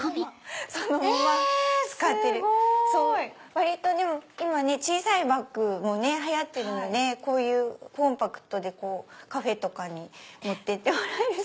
割と今小さいバッグも流行ってるのでコンパクトでカフェとかに持ってってもらえると。